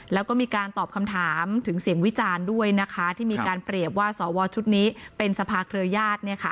แล้วก็มีการตอบคำถามถึงเสียงวิจารณ์ด้วยนะคะที่มีการเปรียบว่าสวชุดนี้เป็นสภาเครือญาติ